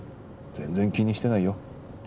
全然気にしてないよ。